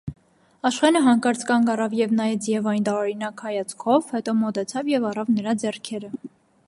Աշխենը հանկարծ կանգ առավ և նայեց Եվային տարօրինակ հայացքով, հետո մոտեցավ և առավ նրա ձեռքերը: